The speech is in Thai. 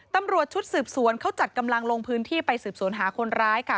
ตำรวจชุดสืบสวนเขาจัดกำลังลงพื้นที่ไปสืบสวนหาคนร้ายค่ะ